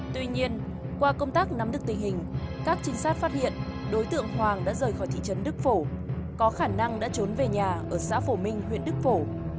tuy nhiên qua công tác nắm được tình hình các trinh sát phát hiện đối tượng hoàng đã rời khỏi thị trấn đức phổ có khả năng đã trốn về nhà ở xã phổ minh huyện đức phổ